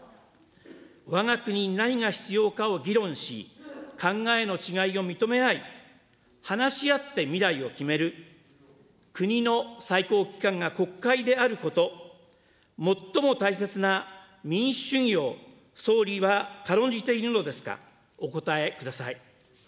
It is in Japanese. わが国に何が必要かを議論し、考えの違いを認め合い、話し合って未来を決める、国の最高機関が国会であること、最も大切な民主主義を、総理は軽んじているのですか、お答えください。